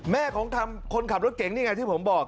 แม่ของคนขับรถเก่งนี่ไงที่ผมบอก